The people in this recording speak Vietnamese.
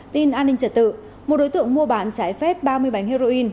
tin an ninh trật tự một đối tượng mua bán trái phép ba mươi bánh heroin